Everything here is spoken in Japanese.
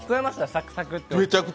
サクサクって。